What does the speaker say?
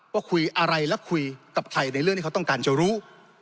คุยอะไรและคุยกับใครในเรื่องที่เขาต้องการจะรู้